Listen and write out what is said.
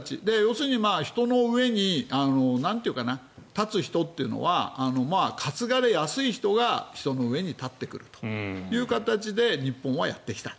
人の上に立つ人というのは担がれやすい人が人の上に立ってくるという形で日本はやってきた。